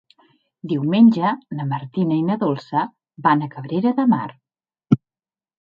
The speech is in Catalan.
Diumenge na Martina i na Dolça van a Cabrera de Mar.